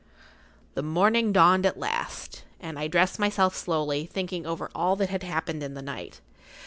The morning dawned at last, and I dressed myself slowly, thinking over all that had happened in the night.